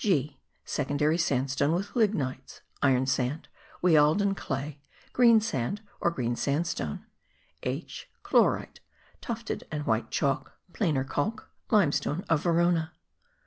(g) Secondary sandstone with lignites; iron sand; Wealden clay; greensand or green sandstone; (h) Chlorite; tufted and white chalk; (planerkalk, limestone of Verona.)